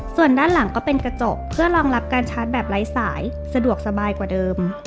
ส่วนด้านหลังก็เป็นกระจกเพื่อรองรับการชาร์จแบบไร้สายสะดวกสบายกว่าเดิม